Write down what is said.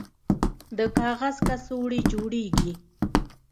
د کاغذ کڅوړې جوړیږي؟